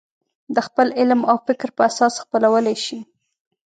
د خپل علم او فکر په اساس خپلولی شي.